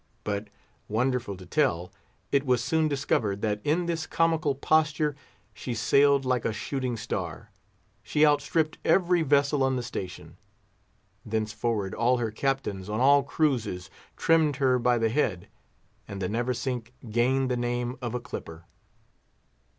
But, wonderful to tell, it was soon discovered that in this comical posture she sailed like a shooting star; she outstripped every vessel on the station. Thenceforward all her Captains, on all cruises, trimmed her by the head; and the Neversink gained the name of a clipper.